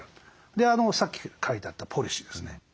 でさっき書いてあったポリシーですね。